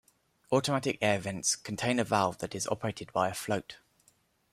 Automatic air vents contain a valve that is operated by a float.